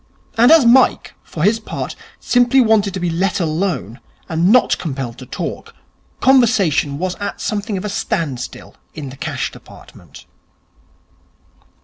And as Mike, for his part, simply wanted to be let alone, and not compelled to talk, conversation was at something of a standstill in the Cash Department.